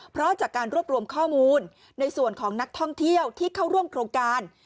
เพราะจากการรวบรวมข้อมูลในส่วนของนักท่องเที่ยวที่เข้าร่วมโครงการ